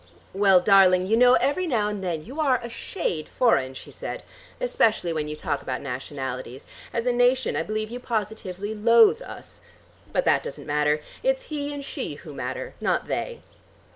"Well, darling, you know every now and then you are a shade foreign," she said. "Especially when you talk about nationalities. As a nation I believe you positively loathe us. But that doesn't matter. It's he and she who matter, not they."